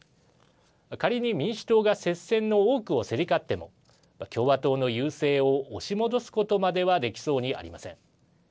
仮に民主党が接戦の多くを競り勝っても、共和党の優勢を押し戻すことまではできそうにありません。